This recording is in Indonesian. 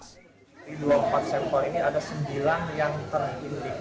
di dua puluh empat sampel ini ada sembilan yang terindikasi formalin dan borax